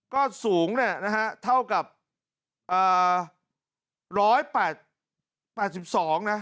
ก็สูงเท่ากับ๑๘๒นะ